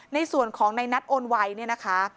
ในส่วนของในนัดโอนไวเนี่ยนะคะ